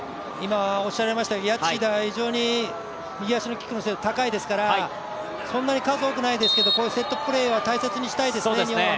谷内田、非常に右足のキックの精度高いですからそんなに数多くないですけどセットプレーは日本は大切にしたいですね。